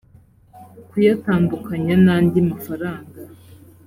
kuyatandukanya n andi mafaranga